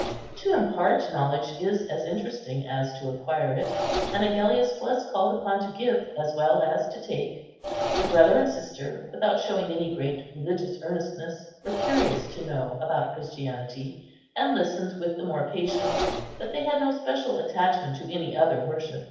To impart knowledge is as interesting as to acquire it; and Agellius was called upon to give as well as to take. The brother and sister, without showing any great religious earnestness, were curious to know about Christianity, and listened with the more patience that they had no special attachment to any other worship.